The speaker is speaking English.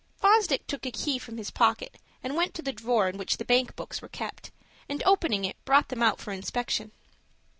Fosdick took a key from his pocket, and went to the drawer in which the bank books were kept, and, opening it, brought them out for inspection.